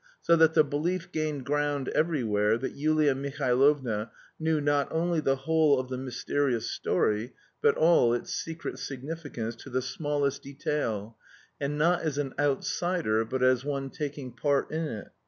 So that the belief gained ground everywhere that Yulia Mihailovna knew not only the whole of the mysterious story but all its secret significance to the smallest detail, and not as an outsider, but as one taking part in it.